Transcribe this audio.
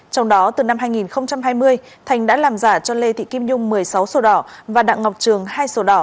trong đó từ năm hai nghìn hai mươi thành đã làm giả cho lê thị kim nhung một mươi sáu sổ đỏ và đặng ngọc trường hai sổ đỏ